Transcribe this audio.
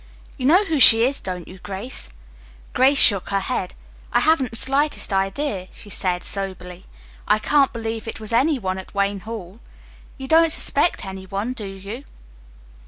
"You know who she is, don't you, Grace?" Grace shook her head. "I haven't the slightest idea," she said soberly. "I can't believe it was any one at Wayne Hall. You don't suspect any one, do you?"